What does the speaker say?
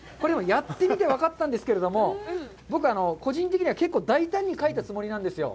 やってみて分かったんですけれども僕個人的には大胆に描いたつもりなんですよ。